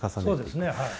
そうですねはい。